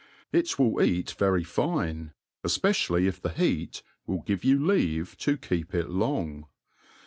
It will eat very fine, efpecially if the beat will give you leave to keep it long.